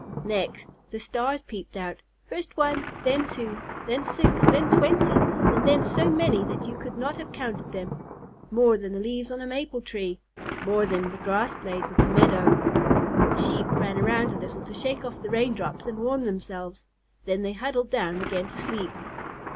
Next, the stars peeped out, first one, then two, then six, then twenty, and then so many that you could not have counted them, more than the leaves on a maple tree, more than the grass blades of the meadow. The Sheep ran around a little to shake off the rain drops and warm themselves, then they huddled down again to sleep.